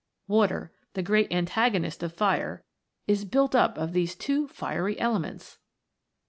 Water, the great antagonist of Fire, is built up of these two fieiy elements